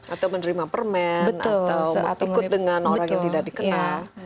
atau menerima permen atau ikut dengan orang yang tidak dikenal